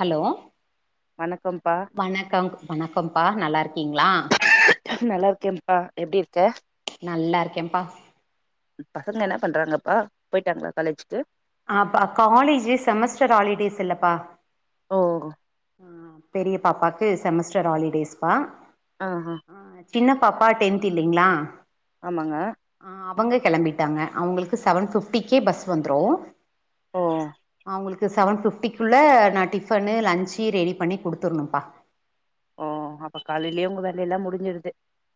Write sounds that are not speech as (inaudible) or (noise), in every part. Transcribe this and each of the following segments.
Hello வணக்கம்ப்பா வணக்கம் வணக்கம்பா நல்லா இருக் கிங்களா நல்லா இருக்கேன்ப்பா எப்டி இருக்க நல்லா இருக்கேன்ப்பா பசங்க என்ன பண்றாங்க ஆ போய்ட்டாங்களா காலேஜுக்கு அஹ் அப்ப காலேஜ் செமஸ்டர் ஹாலிடேஸ் இல்லப்பா ஓ அஹ் பெரிய பாப்பாக்கு செமஸ்டர் ஹாலிடேஸ் பா ஆஹ்ஹ சின்ன பாப்பா டென்த் இல்லைங்களா ஆமாங்க ஆ அவங்க கிளம்பிட்டாங்க அவங்களுக்கு செவன் ஃபிப்டிக்கே பஸ் வந்துடு ஓஹ் உங்களுக்கு செவன் ஃபிப்டிக்குள்ள நான் டிஃபனு லன்சு ரெடி பண்ணி குடுத்துருணுப்பா ஓ அப்ப காலையிலயே உங்க வேலலெல்லா முடிஞ்சிருது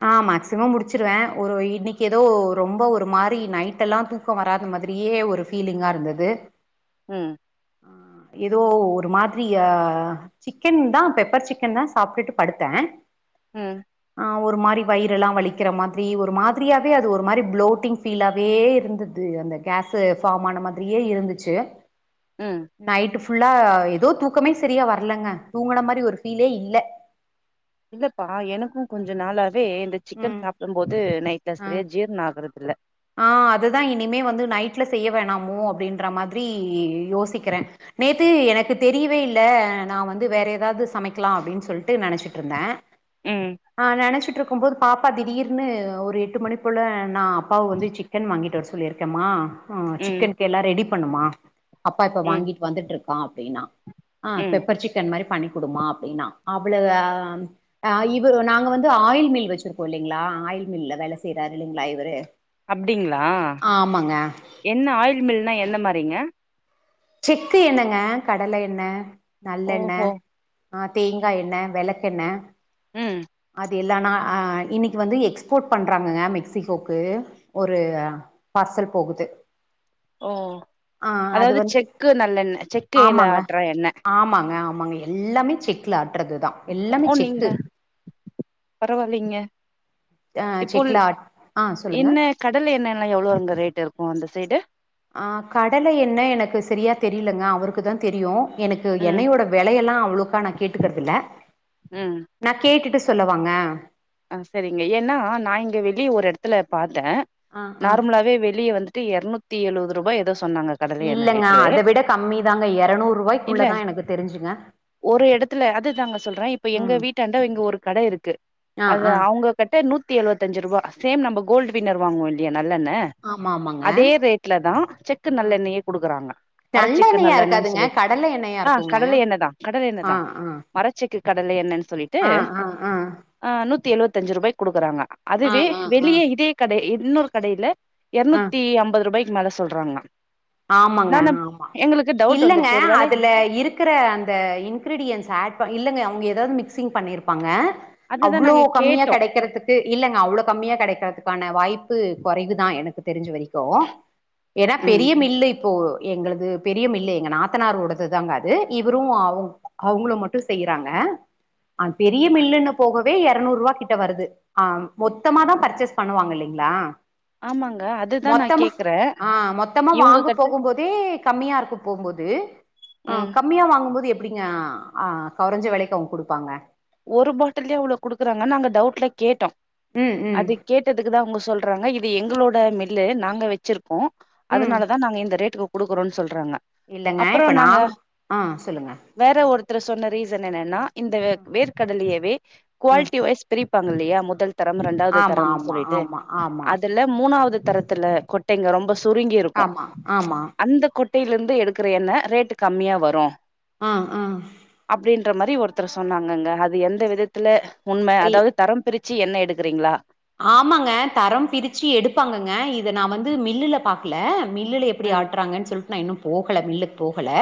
ஆஹ் மேக்சிமம் முடிச்சிருவ ஒரு இன்னிக்கு ஏதோ ரொம்ப ஒரு மாரி நைட் எல்லா தூக்க வராத மாதிரியே ஒரு ஃபீலிங்கா இருந்தது உம் ஹ ஏதோ ஒரு மாதிரி சிக்கன் தா பெப்பர் சிக்கன் தா சாப்ட்டுட்டு படுத்த உம்ஹ் ஒரு மாரி வயிரெல்லா வலிக்கிற மாதிரி ஒரு மாதிரியாவே அது ஒரு மாரி புளோட்டிங் ஃபீலாவே இருந்துது அந்த கேஸு ஃபாம் ஆன மாதிரியே இருந்துச்சு ம் நைட்டு ஃபு ஃபுல்லா எதோ தூக்கமே செரியா வரலெங்க தூங்குன மாரி ஒரு ஃபீலே இல்ல இல்லப்பா எனக்கு கொஞ்ச நாளா வே இந்த சிக்கன் ம் சாப்டம் போது நை டு செரிய ஜீர்ணா (unintelligible) தில்ல அ அதுதா இனிமே வந்து நைட்ல செய்ய வேணாமோ அப்டின்ற மாதிரி யோசிக்கிறே நேத்து எனக்கு தெரியவே இல்ல நா வந்து வேற எதாவ்து சமைக்லா அப்டின் சொல்ட்டு நெனச்சிட்டுருந்த ம் அ நெனச்சிட் டுருக்கும் போது பாப்பா திடீர்ன்னு ஒரு எட்டு மணி போல நா கா வந்து சிக்கன் வாங்கிட்டு வர சொன் சொல்லிருக்கமா அ ம் சிக்கன்க்கெல்லா ரெடி பண்ணுமா அப்பா இப்ப ம் வாங்கிட்டு வந்துட்டுரு கா அப்டினா அ ம் பெப்பர் சிக்கன் மாரி பண்ணி குடுமா அப்டினா அவ்ளு அ இவர் நாங்க வந்து ஆயில் மில் வெச்சிருக்கோ இல்லிங்ளா ஆயில் மில்ல வேல செய்யறாரு இல்லைங்ளா இவரு அப்டிங்ளா ஆமாங்க என்ன ஆயில் மில்னா என்ன மாரி டிங்க செக்கு எண்ணங்க கடல எண்ண நல்லெண்ண ஓஹோ ஹ தேங்கா எண்ண வெளக்கெண்ண ம் அது எல்லனா அ இன்னைக்கு வந்து எக்ஸ்போர்ட் பண்றாங்கங்க மெக்சிகோக்கு ஒரு பார்சல் போகுது ஓ ஆ அது அதாவது வந்து செக்கு நல்லெண்ண செக்குல ஆட்ற எண்ண மாங்கல்யம் எல்லாமே செக்ல ஆட் றதுதா எல்லாமே செக்கு பரவாலிங்க ஆ இப்போ செக்ல ஆட் ஆ சொல்லுங்க எண்ண கடல எண்ணெல்லா எவ்ளங்க ரேட் இருக்கு அந்த ரெட்டு ஆஹ் கடல எண்ணெ எனக்கு செரியா தெரியலங்க அவருக்கு தா தெரியு எனக்கு ம் எண்ணெயோட வெலையெல்லா அவ்ளுக்கா நா கேட்டுக்கறதில்ல நா கேட்டுட்டு சொ சொல்லவாங்க அ சரிங்க ஏன்னா நா இங்க வெளிய ஒரு எடத்துல பாத்தே ஆ ஆ நார்மலாவே வெளிய வந்து எரணூத்தி எழுவது ரூபா ஏதோ சொன்னாங்க கடலை எண்ணெ இல்லங்க லிட்ரு அத விட கம்மி தாங்க எரநூறு இல்ல ரூவாய்க்குள்ளதா எனக்கு தெரிஞ்சுங்க ஒரு எடத்துல அதுதாங்க சொல்றே இப்ப எங்க ம் வீட்டாண்ட இங்க ஒரு கடை இருக்கு ஆ அதா ஆ அவங்க கட்ட நூத்தி எழுவத்தஞ்சு ருவா சேம் நம்ப கோல்டு வின்னர் வாங்வோ இல்லியா நல்லெண்ண ஆமா ஆமாங்க அதே ரேட்லதா செக்கு ஆ நல்லெண்ணய குடுக்கறாங்க மரச்செக்கு நல்லெண்ணெயா நல்லெண்ணணு இருக்காதுங்க சொல்லிட்டு கடல எண்ணெயா ஆ இருக்குங்க கடல எண்ணெதா ஆ கடலெண்ணதா ஆ மரச்செக்கு கடலை எண்ணென் ஆ ஆ ஆ நூத்தி எழுவத்தஞ்சு ருபாய்க்கு குடுக்குறாங்க ஆ அதுவே ஆ ஆ வெளியே இதே கடை இன்னொரு கடைல எரநூத்தி அம்பதுருபாய்க் மேல சொல்றாங்களா ஆமாங்க ஆமா டவுட் இல்லங்க வந்துருச்சு ஒரு வேளை அதுல இருக்கற அந்த இன்கிரிடியன்ஸ் ஆட் ப இல்லங்க அவுங்க எதாவுது மிக்சிங் பண்ணிருப்பாங்க அதுதா அவ்ளோ நாங்க கம்மியா கேட்டோ கெடைக்கிறதுக்கு இல்லங்க அவ்ள கம்மியா கெடைக்கிறதுக்கான வாய்ப் ப்பு கொறைவுதா எனக்கு தெரிஞ்சு வரைக்கு ஏன்னா பெ ம் மில்லு இப்போ எங்களது பெரிய மில்லு எங்க நாத்தனாரோடதுதாங்க அது இவரும் அவுங் அவுங்களு மட்டும் செய்றாங்க அ பெரிய மில்லுனு போகவே எரணூருவாகிட்ட வருது ஆ மொத்தமாதா பர்ச்சேஸ் பண்ணுவாங்க இல்லைங்களா ஆமாங்க அதுதா நா கேக்குறே மா இவங்க வாங்க கிட்ட போகும்போதே கே கம்மியா இருக்கு போம்போது ஆ ம் கம்மியா வாங்கும்போது எப் டிங்க ஆ குறைஞ்ச வேலைக்கு அவங்க குடுப்பாங்க ஒரு பாட்டில்லயே அவ்ளோ குடுக்குறாங்கன்னு நாங்க டவுட்ல கேட்டோ ம் ம் அது கேட்டதுக்குதா அவுங்க சொல்றாங்க இப் இது எங்களோட மில்லு நாங்க வச்சிருக் போ ம் அதனாலதா நாங்க இந்த ரேட்டுக்கு குடுக்குறோன் சொல் றாங்க இல்லங்க இப்ப அப்பறம் நாங்க நாங் ஆ சொல்லுங்க வேற ஒருத் ட்ரு சொன்ன ரீசன் என்னன்னா இந்த வேர்க்கடலையவே ம் குவாலிட்டி வைஸ் பிரி பாங்கள இல்லையா முதல் தரம் இண்டாவது ஆமா தரம்னு ஆமா சொல்லிட்டு ஆமா ஆமா அதுல மூணாவது தரத்துல கொட்டைங்க ரொம்ப சுருங்கி இருக்கும் ஆமா ஆமா அந்த கொட் டையில இருந்து எடுக்கிற என்ண்ண ரேட் கம்மியா வரும் ஆஹ் ஆஹ் ன்ற மாரி ஒருத்தர் சொன்னா ங்க அது எந்த விதத்துல உண்மை ஐ அதாவது தரம் பிரிச் சு என்ன எடுக்குறீங்களா ஆமாங்க தரம் பிரிச்சு எடுப்பாங்கங்க இத நான் வந்து மில்லுல பாக்கல மில்லுல எப்டி ம் ஆட்டுறான்னு சொல்லிட்டு நா இன்னு போகல மில்லு போ ல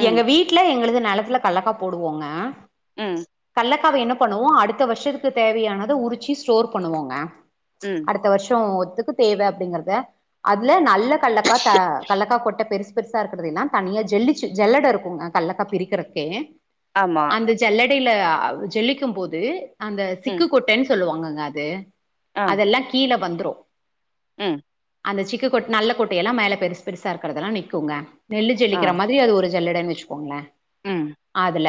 ம் எங்க வீட்ல எங்களது நிலத்துல கள்ளக்கா போடுவோங்க உஹம் களக்காவை என்ன பண்ணுவோம் அடுத்த வருஷத்துக்கு தேவையானது உறிச்சி ஸ்டோர் பண்ணுவோங்க ம் அடுத்த வருஷம் துக்கு தேவை அப்படிங்கறத அதுல நல்ல கள்ளக்காய் கள்ளக்காய் கொட்டை பெருசு பெருசா இருக்கறத எல்லாம் தனியா ஜெல்லிச்சு ஜல்லடை இருக்குங்க கள்ளக்காய் பிரிக்கிறக்கே ஆமா அந்த ஜல்லடையில அ ஜல்லிக்கும் போது அந்த ம் சிக்கு கொட்டன் சொல்லுவாங்க அது அதெல்லாம் கீழே வந்து ரும் உம் அந்த சிக்க கொட்டை நல்ல கொட்டையெல்லாம் மேலே பெருச பெருசா இருக்கிறதெல்லாம் நிற்கோங்க நெல்லு ஆ ஜலிக்கிற மாதிரி அது ஒரு ஜல்லடு வச்சு கோங்களன் ம் அதுல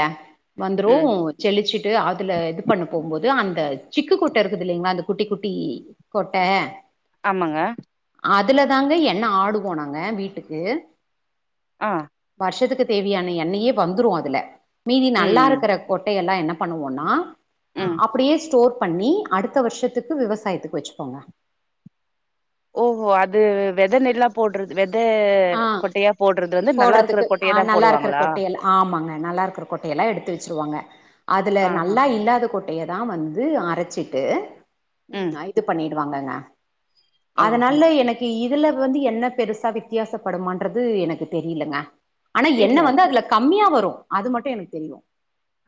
வந்துரும் ம் செழிச்சுட்டு அதுல இது பண்ண போகும்போது அந்த சிக்கு கொட்ட இருக்கு கு தில்லலைங்களா இந்த குட்டி குட்டி. கொட்ட ஆமாங்க அ துல தாங்க என்ன ஆடுவோம் நாங்க வீட்டுக்கு ஆ வர்ஷத்துக்கு தேவியான எண்ணையே வந்துரு அதுல மீதி ம் ம் நல்லாருக்கிற கொட்டைய எல்லா என்ன பண்ணுவோ நா. அ ம். அப்படியே ஸ்டோர். பண்ணி அடுத்த வருஷத்துக்கு விவசாயத்துக்கு வெச்சுகோங்க. ஓ ஓ அது வெத நெல்லா போடறது வெத். த கொட்டையா போடறது போடறதுக்கு அ நல்லா ருக்கிற கொட்டையெல்ல ஆமாங்க நல்லா ருக்கிற கொட்டையெல்ல எடுத்து வச்சிருவாங்க அதுல ஆ ஆ நல்லா இல்லாத கொட் கொட்டையதா வந்து அரைச்சிட்டு ம் நா இது பண்ணி வாங்கங்க. ஓ ஓ அதனால எனக்கு இ இதுல வந்து என்ன பெருசா வித்தியாசப்படுமான்றது எனக்கு தெரியிலங்க. அனா எண்ணெ இல்ல வந்து அதுல கம்மியா வரு அது மட்டு எனக்கு தெரியு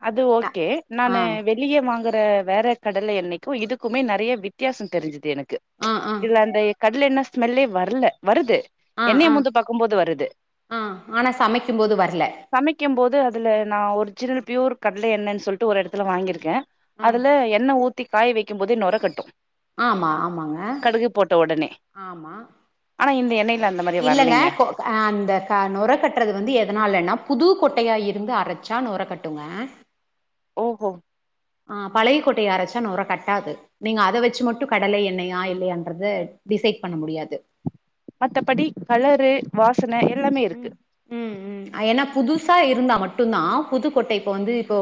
அது ந ஓக்கே ஆ நானு வெளிய வாங்க. த வேற கடலை என்னைக்கு இதுக்குமே நெறைய வித்தியாசோ தெரிஞ்சுது எனக்கு. ஆ க்க ஆ இதுல அந்தை கடல எண்ணெ. ஸ்மெல்லே வரல வருது. ஆ எண்ணெய ஆ மோந்து பாக்கும்போது வருது ஆ ஆனா சமைக்கும் போது வரல சமைக்கும் போது அதுல நா ஒரு சிற் பியூர் கடல எண்ணெனு சொல்லிட்டு ஒரு எடத்துல வாங்கியிருக்கே ஆ அதுல என்ன ஊத் திக் காய வைக்கு போதே நொர கட்டு ஆமா ஆமாங்க கடுகு போட்ட ஒடனே ஆமா ஆனா இந்த எண்ணெய்ல அந்த மாரி இல்லங்க வரலைங்க கொ க அந்த நொர கட்டுறது வந்து எதனாலன்னா புது கொட் ட்டையா இருந்து அரைச்சா நொர கட்டுங்க. ஓ ஓ. ஆ பழையகொட்டைய அரைச்சா நொர கட்டாது நீங்க அத வெச்சு மட்டு கடல எண்ணெயா இல்லையாங்கறத டிசைட் பண்ண முடியாது. மத்தபடி கலரு வாச- ம் ம் ம் என்னா புதுசா இருந்தா மட் மட்டுந்தா புதுக்கோட்ட இப்ப வந்து இப்போ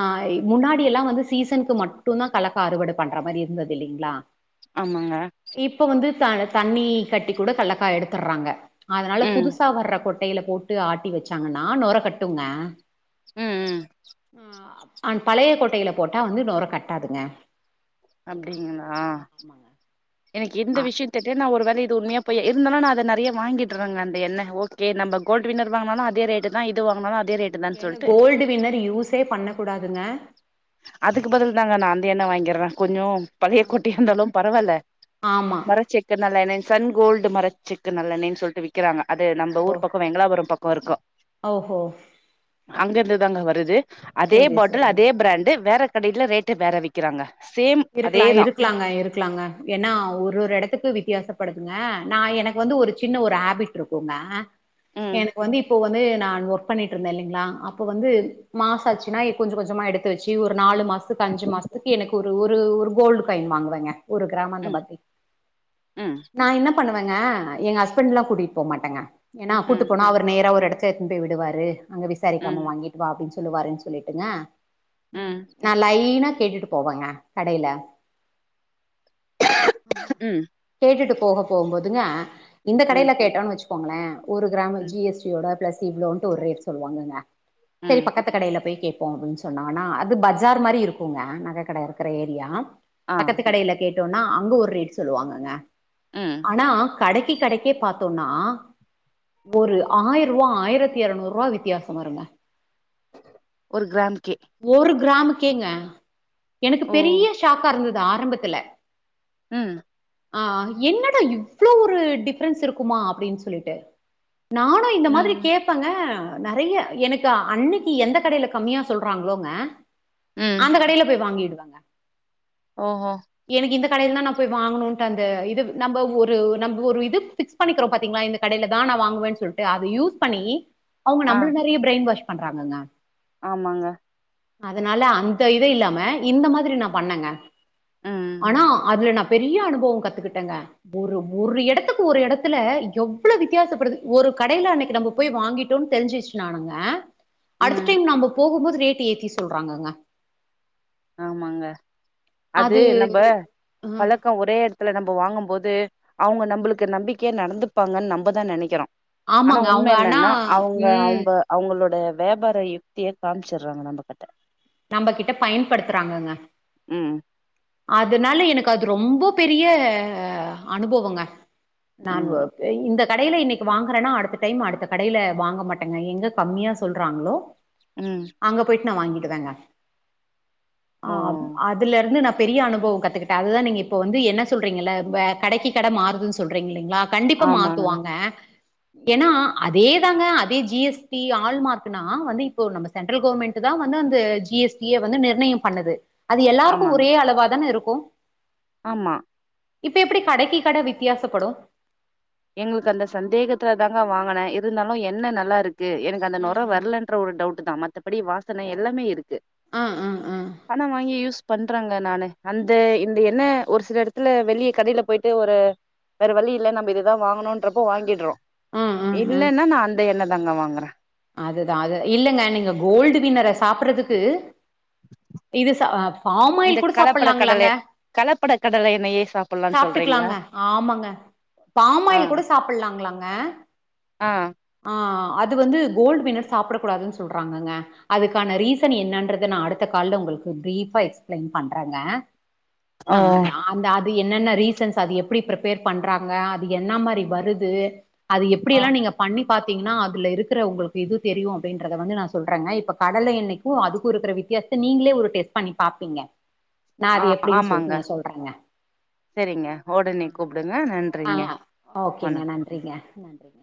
ஆ முன்னாடி எல்லா வந்து சீசனுக்கு மட்டுந்தா கல்க்கா அறுவாட பண்ற மாரி இருந்தது இல்லைங்களா ஆமாங்க க்கான தண்ணி கட்டி கூட கள்ளக்கா எடுத்தற்றாங்க அதனால ம் புது கொட்டையில போட்டு ஆட்டி வச்சாங்கன்னா நொர கட்டுங்க ம் ம் ஆ அப் அன் பழைய கோட்டையில போட்டா வந்து நொர கட்டாதுங்க அப்படிங்களா ஆமாங்க எனக்கு இந்த ஆ விஷயத் தெரியா ஒரு இது உண்மையா பொய்யா இருந்தாலு அத நெறையா வாங்கிட்டு இருந்தங்க அந்த எண்ணெ ஓகே நம்ம கோல்ட் வின்னர் வாங்குனாலு அதே ரேட்டு தா இது வாங்குனாலு அது ஏங்க கோல்டு வின்னர் யூஸே பண்ண கூடாதுங்க அதுக்கு பதில் தாங்க நா அந்த எண்ணெ வாங்கிர்றே கொஞ்சோ பழைய குட்டி இருந்தாலு பரவால்ல ஆமா மரச்செக்கு நல்லெண்ணெ சன் கோல்டு மரச்செக்கு நல்லண்ணெய்ன்னு சொல்ட்டு விக்கறாங்க அது நம்ப ஓ ஊர் பக்கம் வெங்களாபுரம் பக்கம் கொ இருக்கு ஓஹோ அங்க இருந்துதாங்க வருது அதே செரி பாட்டல் செரி அதே பிராண்ட் வேற கடைல்ல ரேட்டு் வேற வைக்க கிறாங்கா இருக்கலா இருக்கலாங்க இருக்கலாங்க ஏன்னா ஒரு ஒரு எடத்துக்கு வித்தியாசப்படு ங்க நா எனக்கு வந்து ஒரு சின்ன ஒரு ஹேபிட் இருக்குங்க ம் எனக்கு வந்து இப்போ வந்து நா ஒர்க் பண்ணிட்டு இருந்தே இல்லைங்களா அப்ப வந்து மாச ஆச்சுனா கொஞ்ச கொஞ்சமா எடுத்து வச்சு ஒரு நாலு மாச த்துக்கு அஞ்சு மாசத்துக்கு எனக்கு ஒரு ஒரு கோல்டு காயின் வாங்குவங்க ஒரு கிராம் அந்த ம் மாதிரி ம் நா என்ன பண்ணுவங்க எங்க ஹஸ்பண்ட் எல்லா கூட்டிகிட்டு போ மாட்டங்க ஏன்னா கூட்டு ம் போனா அவர் நேரா ஒரு எடத் சேத்துன்னு போய் விடுவாரு அங்க விசாரிக்காம ம் வாங்கிட்டு வா அப்படின் சொ சொல்லுவாருன்னு சொல்லிட்டுங்க ம் உம் ம் நா லைனா கேட்டுட்டு போவங்க கடைல ம் கேட்டுட்டு போக போகும் போதுங்க இந்த ம் கடைல கேட்டோன்னு வச்சு கோங்களே ஒரு கிராமு ம் ஜி எஸ் டி யோட பிளஸ் இவ்லோன்டு ஒரு ரேட் சொல்லுவாங்க சேரி ம் பக்கத்து கடையில போய் கேக் கேட்டோ அப்டின்னு சொன்னாங்கன்னா அது பஜார் மாரி இருக்கோங்க நகை கட இருக்குற ஏரியா ஆ பக்கத்து கடைல்ல கேட்டு டோனா அங்க ஒரு ரேட் சொல்லுவாங்கங்க ம் ஆனா கடைக்கு கடைக்கே பாத்தோம்னா ஒரு ஆயிர ரூபா ஆயிரத்தி இருநூறு ரூபா வித்தியாசோ வருங்க ஒரு கிராம் கே ஒரு கிராமுக்கேங்க எனக்கு பெரிய ஷாக்கா இருந்தது ஆரம்பத்துல உஹம் ஆஹ் என்னடா இவ்வளோ ஒரு டிஃப்ரென்ஸ் இருக்குமா அப்டின்னு சொல்லிட்டு நானு இந்த மாரி ம் கேட்பேங்க நெறைய எனக்கு அன்னைக்கு எந்த கடையில கம்மியா சொல்றாங்களோங்க அந்த கடையில போய் வாங்கிடு சொல்வாங்க ஓஹா கடையில தா நா போய் வாங்கணும்ன்ட்டு அந்த இது நம்ம ஒரு நம் ஒரு இது பிக்ஸ் பண்ணிக்கிறோம் பாத்தீங்களா இந்த கடையில தா நா வாங்குவேன்னு சொல்லிட்டு அத யூஸ் பண்ணி அவுங்க ஆ நம்மள நெறைய பிரைன் வாஷ் பண்றாங்கங்க ஆமாங்க அதனால அந்த இது இல்லாம இந்த மாதி நா பண்ணேங்க ம் ஆனா அதுல நா பெரிய அனுபவோ கத்துக்கிட்டேங்க ஒரு ஒரு இடத்துக்கு ஒரு இடத்துல எவ்வளோ வித்தியாசப்படுது ஒரு கடையில அன்னைக்கு நம்ம போய் வாங்கிட்டோம் தெரிஞ்சுச்சுனானுங்க அடுத்த ம் டைம் நாம போகும்போது ரேட்டு் ஏத்தி சொல்றாங்கங்க ஆமாங்க அது நம்ம அ பழக்கோ ஒரே எடத்துல நம்ம வாங்கும்போது அவுங்க நம்மளுக்கு நம்பிக்கையா நடந்துப்பாங்கன்னு நம்பதா நெனைக்கிறோ ஆனா ஆமாங்க. அவங்க உண்மை ஆனா என்னன்னா அவுங்க ம் அவங்க அவுங்களோட வியபார யுக்தியே காமிச்சுறாங்க நம்ம கிட்ட நம்ம கிட் பயன்படுத்துறாங்கங்க ம் அதனால எனக்கு அது ரொம்ப பெரிய அனுபவங்க நான் ம் ஒப்பேயி இந்த கடையில இன்னைக்கு வாங்கறன்னா அடுத்த டைம் அடுத்த கடையில வாங்க மாட்டேங்க எங்க கம்மியா சொல்றாங்களோ ம் அங்க போயிட்டு நான் வாங்கி இதாங்க ஓ ஆஹ் அதுல இருந்து நா பெரிய அனுபவம் கத்துக்கிட்ட அதுதான் நீங்க இப்ப வந்து என்ன சொல்றீங்கள வே கடைக்கு கடை மாறுதுன் சொல்றீங்க இல்லிங்களா கண்டிப்பா ஆமாங்க மாத்துவாங்க ஏன்னா அதேதாங்க அதே ஜிஎஸ்டி ஆள் மார்க்குனா வந்து இப்போ நம்ம சென்ட்ரல் கவர்மெண்ட் தான் வந்து அந்த ஜி ஜிஎஸ்டிய வந்து நிர்ணயம் பண்ணுது அது எல்லாருக்கு ஆமாங்க ஒரே அளவா தான இருக் போ ஆமா இப்ப எப்டி கடைக்கு கடை வித்தியாசப்படும் எங்களுக்கு அந்த சந்தேகத்துல தாங்க வாங்கனே இருந்தாலும் என்ன நல்லா இருக்கு கு எனக்கு அந்த நொர ம், ம். வரலன்ற ஒரு டவுட் தான் மத்த ப்படி வாசனை எல்லாமே இருக்கு ஆ, ஆ, ஆ, பணம் வாங்கி யூஸ் பண்றாங்க நானு அந்த இந்த என்ன ஒரு சில இடத்துல வெளிய கடையில போயிட்டு ஒரு வேற வழி இல்ல நம்ம இது தான் வாங்கணும்றப்ப வாங்கிடுறோம் ஆ, ஆ, ஆ. இல்லைன்னா நான் அந்த என்னது தங்க வாங்குற அதுதான் அது இல்லங்க நீங்க கோல்டு வின்னர சாப்பட்றதுக்கு இது ச பாம் இந்த ஆயில் கூட கலப்பட கடலை சாப்பிடலாங்களாங்க கலப்பட கடலை எண்ணெயே சாப்புட்லான்னு சொல்றீங்களா சாப்பிட்டுக்கலாங்க ஆமாங்க பாம் ஆ ஆயில் கூட சாப்பிடலாங்களாங்க ஆ ஆஹ் அது வந்து கோல்ட் வின்னர் சாப்பிடக் கூடாதுன்னு சொல்றாங்கங்க அதுக்கான ரீசன் என்னான்றத நான் அடுத்த கால்ல உங்களுக்கு ப்ரீப்பா எக்ஸ்பிளைன் பண்றங்க ஓ ஆஹ் அந்த அத் என்னென்ன ரீசன்ஸ் அது எப்படி பிரிப்பேர் பண்றாங்க அது என்னா மாரி வருது அது ஆ எப்டியெல்லாம் நீங்க பண்ணி பாத்தீங்கன்னா அதுல இருக்கிற உங்களுக்கு இது தெரியும் அப்படின்றத வந்து நான் சொல்றேங்க இப்ப கடலை எண்ணைக்கு அதுக்கு இருக்கிற வித்தியாசத்தை நீங்களே ஒரு டெஸ்ட் பண்ணி பாப்பீங்க நா ஆ அது எப்டின்னு ஆமாங்க சொல்லிட்டு நா சொல்றேங்க செரிங்க ஒடனே கூப்டுங்க ஆ நன்றிங்க ஓகேங்க வணக் நன்றிங்க நன்றிங்க